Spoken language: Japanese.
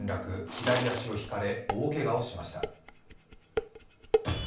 左足をひかれ大けがをしました。